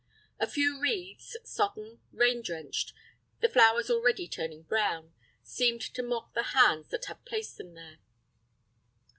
A few wreaths, sodden, rain drenched, the flowers already turning brown, seemed to mock the hands that had placed them there.